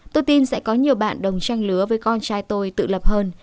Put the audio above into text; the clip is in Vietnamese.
tôi tin sẽ có nhiều bạn đồng trang lứa với con trai tôi tự lập hơn